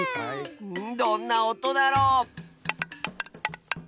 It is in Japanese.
どんなおとだろ？